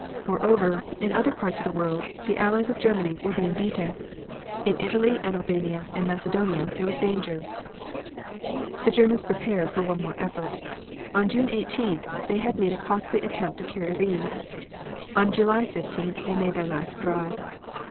Moreover, in other parts of the world, the allies of Germany were being beaten. In Italy and Albania and Macedonia there was danger. The Germans prepared for one more effort. On June 18th they had made a costly attempt to carry Rheims. On July 15th they made their last drive.